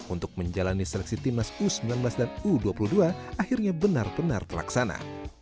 untuk menjalani seleksi timnas u sembilan belas dan u dua puluh dua akhirnya benar benar terlaksana